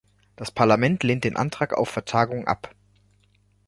Das Parlament lehnt den Antrag auf Vertagung ab.